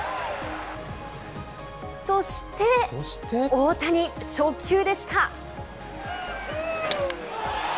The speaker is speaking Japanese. そして、大谷、初球でした。